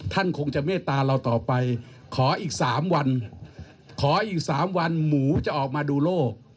คงจะเมตตาเราต่อไปขออีกสามวันขออีกสามวันหมูจะออกมาดูโลก